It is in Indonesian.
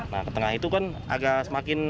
nah ke tengah itu kan agak semakin